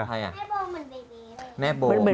แม่โบเหมือนเบเบเลย